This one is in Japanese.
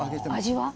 味は？